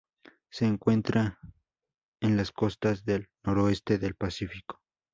Se encuentra en las costas del noroeste del Pacífico.